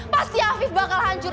pasti afif bakal hancur